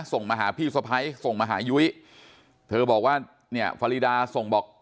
ส่งมาหาพี่สะพ้ายส่งมาหายุ้ยเธอบอกว่าเนี่ยฟารีดาส่งบอก